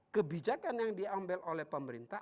kebijakan yang diambil oleh pemerintah